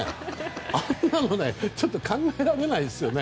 あんなの考えられないですよね。